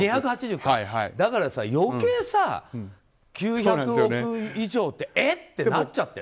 だから余計、９００億以上ってえ？ってなっちゃってる。